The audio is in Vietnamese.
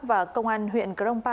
và công an huyện grongpa tp đắk lắc